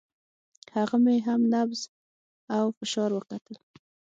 هغه مې هم نبض او فشار وکتل.